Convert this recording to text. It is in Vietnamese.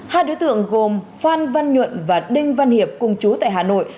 hai đối tượng gồm phan văn nhuận và đinh văn hiệp cùng chú tại hà nội